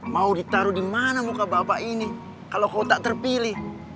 mau ditaruh di mana muka bapak ini kalau kau tak terpilih